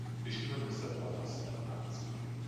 Ich stimme Mr. Potters Antrag zu.